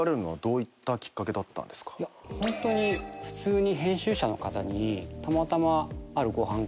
ホントに普通に。